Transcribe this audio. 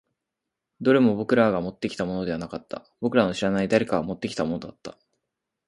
どれも僕らがもってきたものではなかった。僕らの知らない誰かが持ってきたものだった。